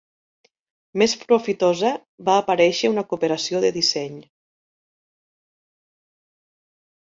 Més profitosa, va aparèixer una cooperació de disseny.